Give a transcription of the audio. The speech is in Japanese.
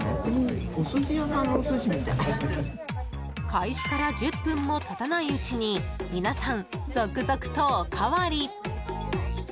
開始から１０分も経たないうちに皆さん、続々とおかわり！